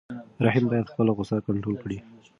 رحیم باید خپله غوسه کنټرول کړي.